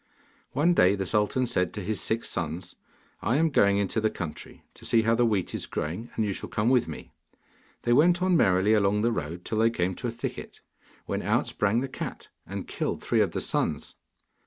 One day, the sultan said to his six sons, 'I am going into the country, to see how the wheat is growing, and you shall come with me.' They went on merrily along the road, till they came to a thicket, when out sprang the cat, and killed three of the sons.